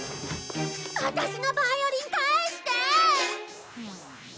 ワタシのバイオリン返して！